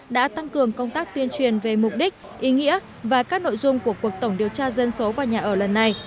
đã tăng cường công tác tuyên truyền về mục đích ý nghĩa và các nội dung của cuộc tổng điều tra dân số và nhà ở lần này